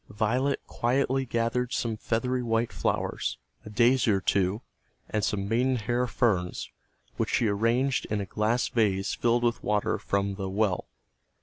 Violet quietly gathered some feathery white flowers, a daisy or two, and some maidenhair ferns, which she arranged in a glass vase filled with water from the "well."